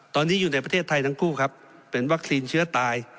ตอนนี้อยู่ในประเทศไทยทั้งคู่ครับเป็นวัคซีนเชื้อตาย